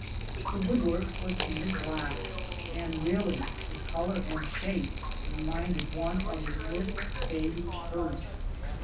The wood work was painted black, and really the color and shape re minded one of a little baby hearse.